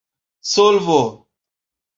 solvo